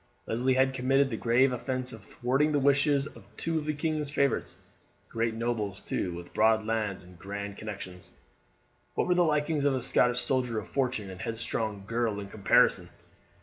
Leslie had committed the grave offence of thwarting the wishes of two of the king's favourites, great nobles, too, with broad lands and grand connections. What were the likings of a Scottish soldier of fortune and a headstrong girl in comparison!